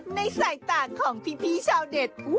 ในสายต่างของพี่ชาวเด็ด